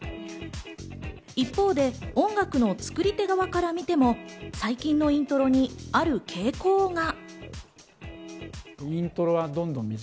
一方で、音楽の作り手側から見ても最近のイントロにある傾向が。